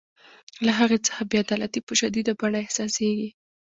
له هغې څخه بې عدالتي په شدیده بڼه احساسیږي.